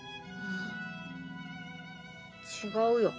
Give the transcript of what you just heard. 違うよ。